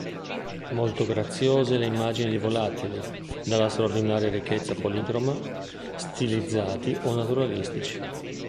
Molto graziose le immagini di volatili, dalla straordinaria ricchezza policroma, stilizzati o naturalistici.